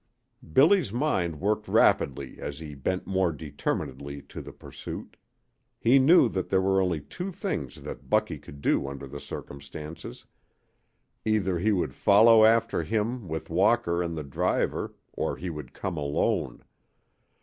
Billy's mind worked rapidly as he bent more determinedly to the pursuit. He knew that there were only two things that Bucky could do under the circumstances. Either he would follow after him with Walker and the driver or he would come alone.